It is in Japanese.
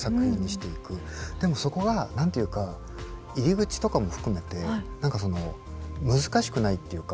でもそこが何て言うか入り口とかも含めて何かその難しくないっていうか。